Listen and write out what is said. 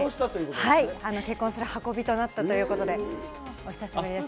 結婚する運びとなったということで、お久しぶりです。